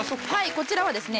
こちらはですね